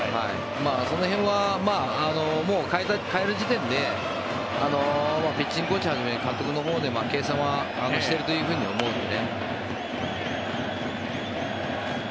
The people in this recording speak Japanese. その辺はもう代える時点でピッチングコーチはじめ監督のほうでも計算はしていると思うので。